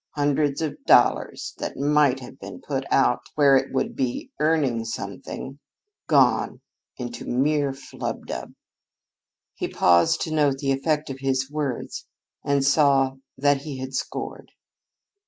Hundreds of dollars, that might have been put out where it would be earning something, gone into mere flubdub." He paused to note the effect of his words and saw that he had scored.